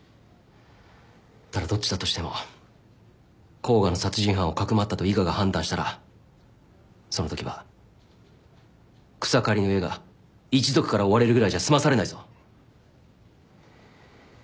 ただどっちだとしても甲賀の殺人犯をかくまったと伊賀が判断したらそのときは草刈の家が一族から追われるぐらいじゃ済まされないぞ。